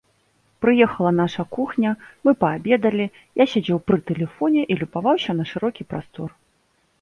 Прыехала наша кухня, мы паабедалі, я сядзеў пры тэлефоне і любаваўся на шырокі прастор.